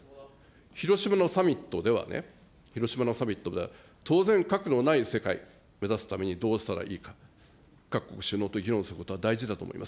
広島のサミットではね、広島のサミットでは当然、核のない世界、目指すためにどうしたらいいか、各国首脳と議論することは大事だと思います。